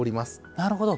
なるほど。